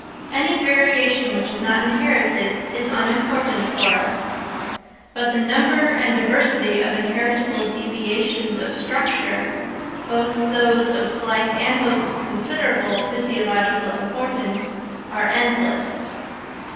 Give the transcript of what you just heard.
Any variation which is not inherited is unimportant for us. But the number and diversity of inheritable deviations of structure, both those of slight and those of considerable physiological importance, are endless.